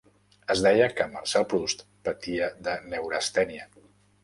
Es deia que Marcel Proust patia de neurastènia.